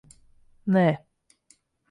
Nē.